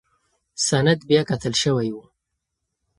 سند بیاکتل شوی و.